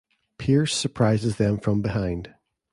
Pierce surprises them from behind.